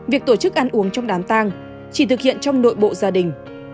việc tổ chức ăn uống trong đám tang chỉ thực hiện trong nội bộ gia đình